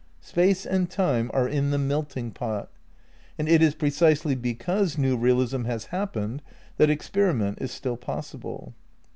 Space and Time are in the melting pot. And it is precisely because New Eealism has hap pened that experiment is still possible.